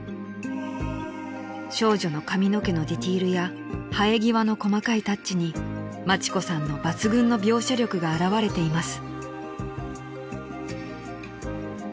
［少女の髪の毛のディテールや生え際の細かいタッチに町子さんの抜群の描写力が表れています］